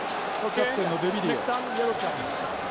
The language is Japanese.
キャプテンのドゥビリエ。